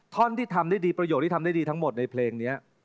ท่อนที่ทำได้ดีประโยคที่ทำได้ดีทั้งหมดในเพลงนี้